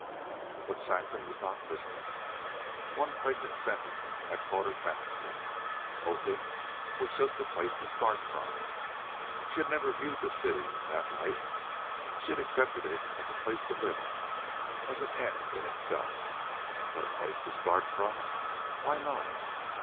But Saxon was not listening. One pregnant sentence had caught her fancy. Oakland just a place to start from. She had never viewed the city in that light. She had accepted it as a place to live in, as an end in itself. But a place to start from! Why not!